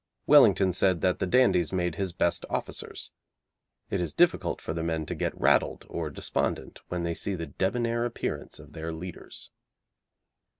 Wellington said that the dandies made his best officers. It is difficult for the men to get rattled or despondent when they see the debonair appearance of their leaders.